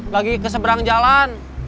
lagi keseberang jalan